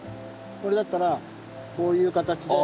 これだったらこういう形で。